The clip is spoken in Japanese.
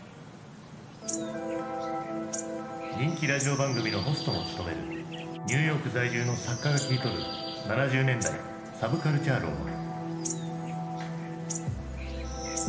人気ラジオ番組のホストも務めるニューヨーク在住の作家が切り取る７０年代サブカルチャー論は？